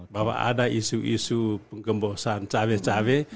bahwa ada isu isu penggembosan cabai cabai